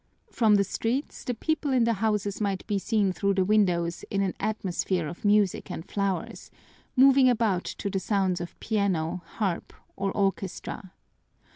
From the streets the people in the houses might be seen through the windows in an atmosphere of music and flowers, moving about to the sounds of piano, harp, or orchestra.